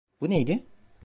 Bu neydi?